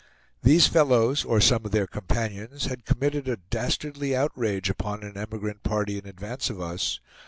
These fellows, or some of their companions had committed a dastardly outrage upon an emigrant party in advance of us.